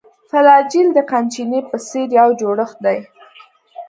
فلاجیل د قمچینې په څېر یو جوړښت دی.